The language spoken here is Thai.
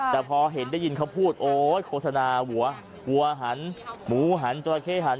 ก็พอเห็นได้ยินเขาพูดโอ้โอ๊ยโฆษณาหัวหันหมูหันเจ้าตาเลแคร่หัน